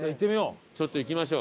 ちょっと行きましょう。